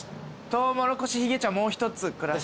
トウモロコシひげ茶もう１つ下さい。